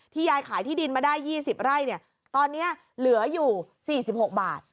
ยายขายที่ดินมาได้๒๐ไร่ตอนนี้เหลืออยู่๔๖บาท